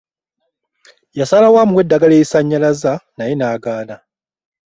Yasalawo amuwe eddagala erimusanyalaza naye nagaana .